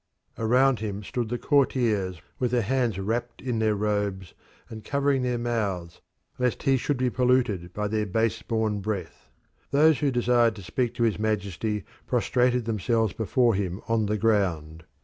Around him stood the courtiers with their hands wrapped in their robes, and covering their mouths lest he should be polluted by their base born breath. Those who desired to speak to his majesty prostrated themselves before him on the ground.